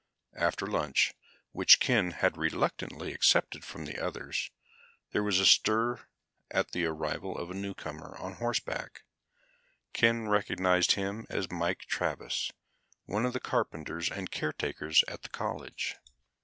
After lunch, which Ken had reluctantly accepted from the others, there was a stir at the arrival of a newcomer on horseback. Ken recognized him as Mike Travis, one of the carpenters and caretakers at the college.